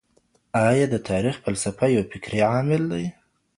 ايا د تاريخ فلسفه يو فکري عامل دی؟